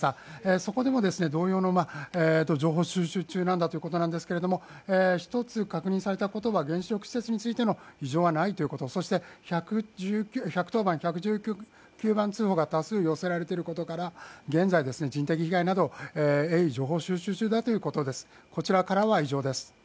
そこでも同様の情報収集中なんだということですけど１つ確認されたことが原子力施設についての異常はないということ、そして１１０番、１１９番通報が多数、寄せられていることから現在、人的被害など鋭意情報収集中だということです。